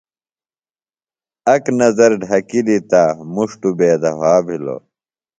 اک نظر ڈھکِلی تہ مُݜ توۡ بے دُھوا بِھلو۔ۡ